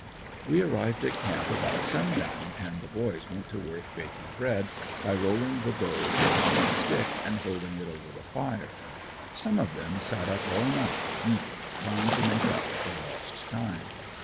We arrived at camp about sundown and the boys went to work baking bread by rolling the dough around a stick and holding it over the fire. Some of them sat up all night eating, trying to make up for lost time.